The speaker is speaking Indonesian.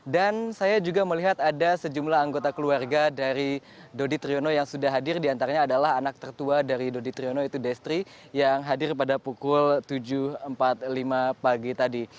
dan saya juga melihat ada sejumlah anggota keluarga dari dodi triyono yang sudah hadir diantaranya adalah anak tertua dari dodi triyono yaitu destri yang hadir pada pukul tujuh empat puluh lima pagi tadi